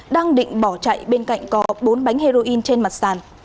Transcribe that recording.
đang định bỏ chạy bên cạnh có bốn bánh heroin trên mặt sàn